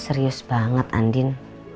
serius banget andin